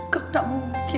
kau tak mungkin